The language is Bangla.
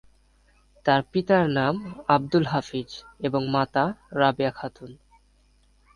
তার পিতার নাম আব্দুল হাফিজ এবং মাতা রাবেয়া খাতুন।